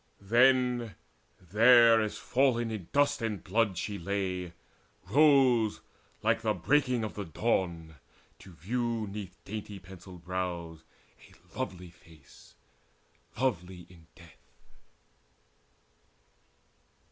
Then, there as fallen in dust and blood she lay, Rose, like the breaking of the dawn, to view 'Neath dainty pencilled brows a lovely face, Lovely in death.